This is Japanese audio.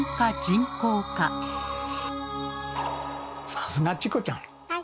さすがチコちゃん。